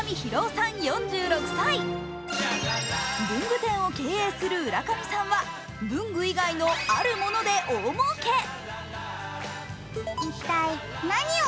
文具店を経営する浦上さんは文具以外のあるもので大もうけ。